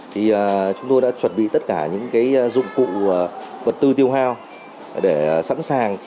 thì chúng tôi đã chuẩn bị tất cả những cái dụng cụ vật tư tiêu hao để sẵn sàng